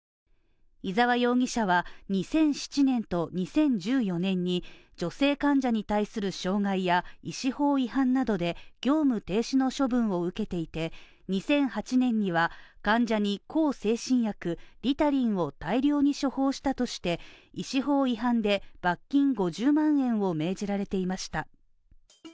伊沢容疑者は２００７年と２０１４年に女性患者に対する傷害や医師法違反などで業務停止の処分を受けていて２００８年には患者に向精神薬リタリンを大量に処方したとして、医師法違反で罰金５０万円を命じられていました。